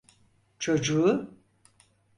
Çocuğu…